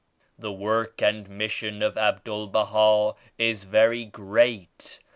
The work and mis sion of Abdul Baha are very great.